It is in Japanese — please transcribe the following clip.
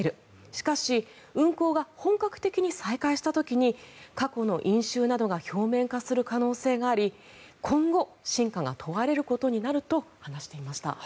しかし、運航が本格的に再開した時に過去の因習などが表面化する可能性があり今後真価が問われることになると話していました。